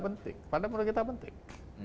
penting padahal menurut kita penting